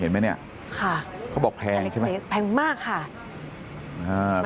เห็นไหมเนี่ยค่ะเขาบอกแพงใช่ไหมแพงมากค่ะอ่า